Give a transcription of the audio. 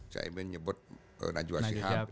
cah ibn nyebut najwa shihab